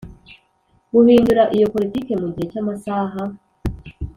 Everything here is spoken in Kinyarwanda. Guhindura iyo politiki mu gihe cy amasaha